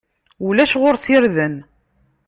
Ulac ɣur-s irden.